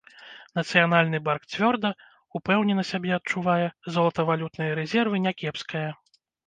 Нацыянальны банк цвёрда, упэўнена сябе адчувае, золатавалютныя рэзервы някепская.